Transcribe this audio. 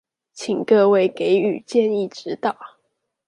請各位給予建議指導